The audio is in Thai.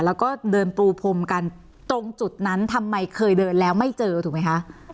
แล้วก็เดินปรูพรมกันตรงจุดนั้นทำไมเคยเดินแล้วไม่เจอถูกไหมคะ